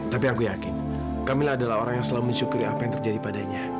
tapi aku yakin kami adalah orang yang selalu mensyukuri apa yang terjadi padanya